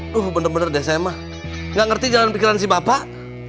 duh bener bener deh saya mak nggak ngerti jalan pikiran si bapak